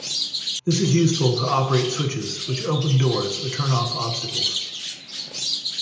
This is useful to operate switches which open doors or turn off obstacles.